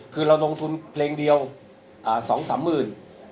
คือเราลงทุนเพลงเดียว๒๓หมื่น